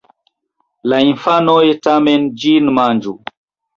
la infanoj tamen ĝin manĝu.